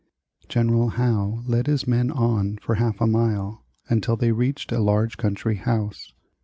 General Howe led his men on for half a mile, until they reached a large country house.